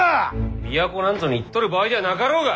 都なんぞに行っとる場合ではなかろうが！